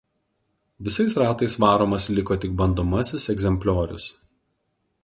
Visais ratais varomas liko tik bandomasis egzempliorius.